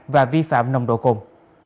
và vi phạm nồng độ cồn